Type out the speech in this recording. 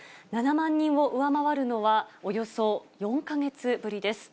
７万人を上回るのは、およそ４か月ぶりです。